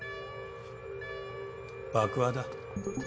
爆破だ。